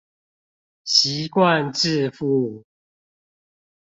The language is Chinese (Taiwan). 習慣致富